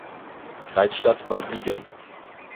Kreisstadt war Siegen.